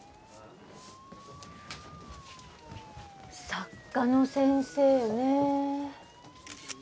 作家の先生ね。